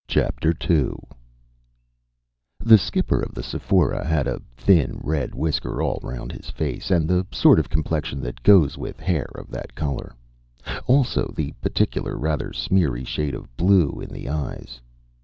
II The skipper of the Sephora had a thin red whisker all round his face, and the sort of complexion that goes with hair of that color; also the particular, rather smeary shade of blue in the eyes.